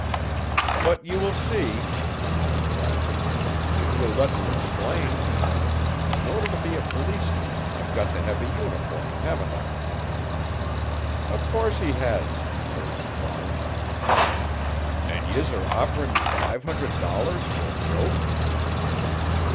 "But you will see," went on Gladwin, "if you'll let me explain. In order to be a policeman I've got to have a uniform, haven't I?" "Of course he has," urged Barnes. "And yez are offering me five hundred dollars for a joke?"